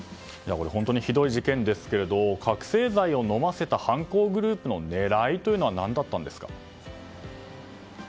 本当にひどい事件ですが覚醒剤を飲ませた犯行グループの狙いというのは何だったんですか？